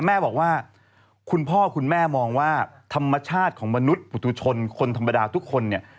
แม่บอกว่าคุณพ่อคุณแม่มองว่าธรรมชาติของมนุษย์ปุตุชนคนธรรมดาทุกคนเนี่ย